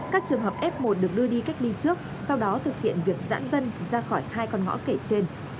các trường hợp f một được đưa đi cách ly trước sau đó thực hiện việc giãn dân ra khỏi hai con ngõ kể trên